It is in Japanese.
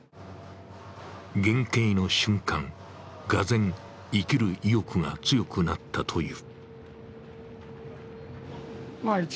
減刑の瞬間、がぜん生きる意欲が強くなったという。